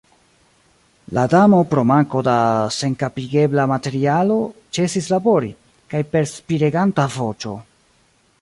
La Damo pro manko da senkapigebla materialo ĉesis labori, kaj per spireganta voĉo